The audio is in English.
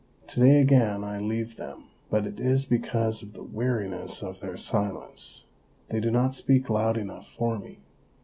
To day again I leave them, but it is because of the weariness of their silence. They do not speak loud enough for me.